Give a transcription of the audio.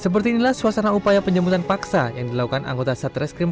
seperti inilah suasana upaya penjemputan paksa yang dilakukan anggota satreskrim